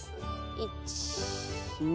１２。